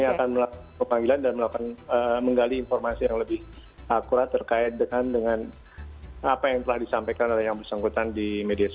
kami akan melakukan pemanggilan dan melakukan menggali informasi yang lebih akurat terkait dengan apa yang telah disampaikan oleh yang bersangkutan di media sosial